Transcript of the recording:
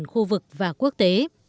hô vực và quốc tế